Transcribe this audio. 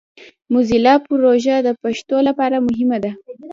موزیلا پروژه د پښتو لپاره مهمه ده.